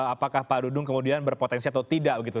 apakah pak dudung kemudian berpotensi atau tidak begitu